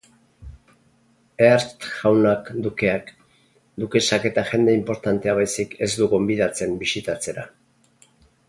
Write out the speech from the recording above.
Hearst jaunak dukeak, dukesak eta jende inportantea baizik ez du gonbidatzen bisitatzera.